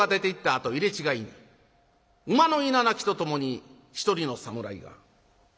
あと入れ違いに馬のいななきとともに一人の侍が。